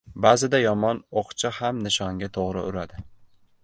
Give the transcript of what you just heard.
• Ba’zida yomon o‘qchi ham nishonga to‘g‘ri uradi.